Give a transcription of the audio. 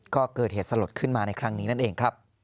ก็เกิดเหตุสลดขึ้นมาในครั้งนี้นั่นเองครับ